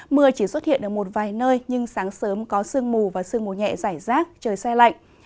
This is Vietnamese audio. mưa chỉ xuất hiện ở một vài nơi nhưng sáng sớm có sương mù và sương mù nhẹ giải rác trời xe lạnh